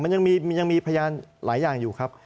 มันยังมีพยานหลายอย่างอยู่ครับ